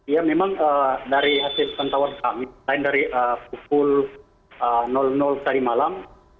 ya memang dari hasil pantauan kami lain dari pukul tadi malam